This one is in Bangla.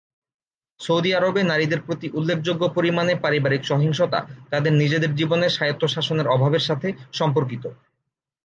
সৌদি আরবে নারীদের প্রতি উল্লেখযোগ্য পরিমাণে পারিবারিক সহিংসতা তাদের নিজের জীবনে স্বায়ত্তশাসনের অভাবের সাথে সম্পর্কিত।